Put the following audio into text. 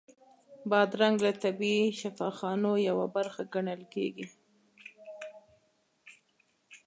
بادرنګ له طبیعي شفاخانو یوه برخه ګڼل کېږي.